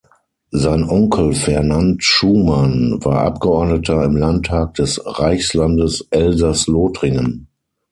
Sein Onkel, Fernand Schuman, war Abgeordneter im Landtag des Reichslandes Elsaß-Lothringen.